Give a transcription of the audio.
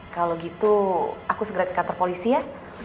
kalau gitu aku segera ke kantor polisi ya